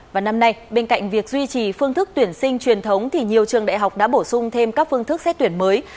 và năm nay bên cạnh việc duy trì phương thức tuyển sinh truyền thống thì nhiều trường đại học đã bổ sung thêm các phương thức xét tuyển mới